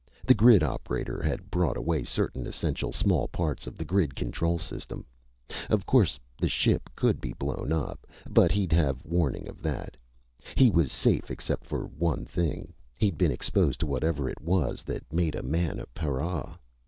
The grid operator had brought away certain essential small parts of the grid control system. Of course the ship could be blown up. But he'd have warning of that. He was safe except for one thing. He'd been exposed to whatever it was that made a man a para.